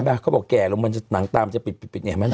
เห็นมั้ยเขาบอกแก่ลงหนังตามันจะปิดเนี่ยมั้ย